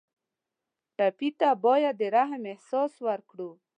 ټپي ته باید د رحم احساس ورکړو.